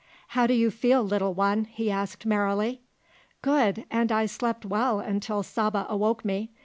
"How do you feel, little one?" he asked merrily. "Good, and I slept well until Saba awoke me.